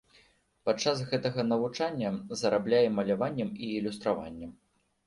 Падчас гэтага навучання зарабляе маляваннем і ілюстраваннем.